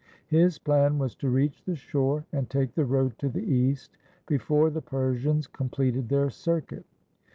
His plan was to reach the shore, and take the road to the east before the Persians completed their circuit.